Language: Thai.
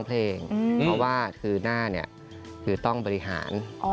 เพราะว่าคือหน้าเนี่ยคือต้องบริหาร